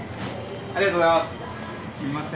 ありがとうございます。